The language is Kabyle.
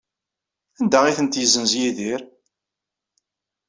Anda ay tent-yessenz Yidir?